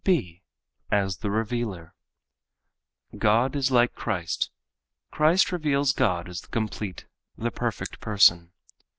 (b) As the Revealer.—God is like Christ. Christ reveals God as the complete, the perfect person.